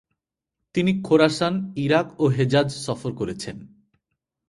তিনি Khorasan, Iraq ও Hejaz সফর করেছেন।